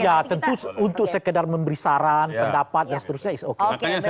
ya tentu untuk sekedar memberi saran pendapat dan seterusnya itu oke